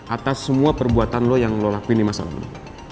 atas semua perbuatan lo yang lo lapin di masa lalu